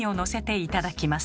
いただきます。